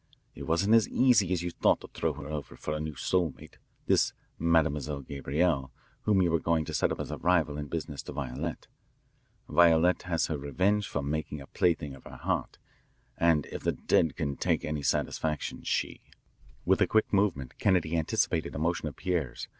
It wasn't as easy as you thought to throw her over for a new soul mate, this Mademoiselle Gabrielle whom you were going to set up as a rival in business to Violette. Violette has her revenge for making a plaything of her heart, and if the dead can take any satisfaction she" With a quick movement Kennedy anticipated a motion of Pierre's.